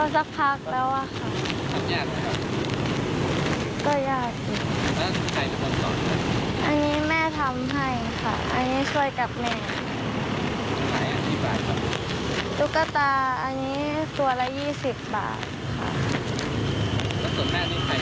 ส่วนแทนหรือใครมันมีละครูการไหม